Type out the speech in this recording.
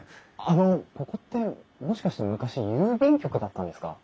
あのここってもしかして昔郵便局だったんですか？